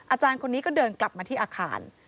อาจารย์คนนี้ก็เดินกลับมาที่อาคาร